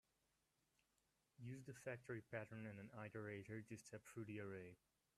Use the factory pattern and an iterator to step through the array.